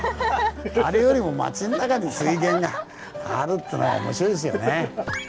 あれよりも町の中に水源があるっつうのが面白いですよね。